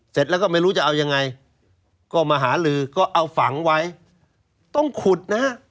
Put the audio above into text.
เสร็จแล้วก็ไม่รู้จะเอายังไงก็มาหาลือก็เอาฝังไว้ต้องขุดนะฮะ